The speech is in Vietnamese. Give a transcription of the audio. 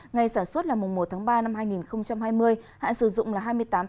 ngày sản xuất là một ba hai nghìn hai mươi hạn sử dụng là hai mươi tám hai hai nghìn hai mươi một